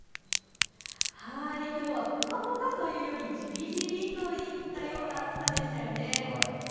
きょうはぽかぽかというよりじりじりといったような暑さでしたよね。